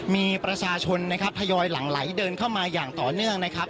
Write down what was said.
มีประชาชนนะครับทยอยหลังไหลเดินเข้ามาอย่างต่อเนื่องนะครับ